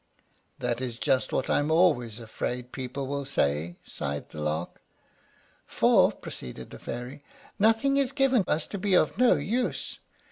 "That is just what I am always afraid people will say," sighed the Lark. "For," proceeded the Fairy, "nothing is given us to be of no use.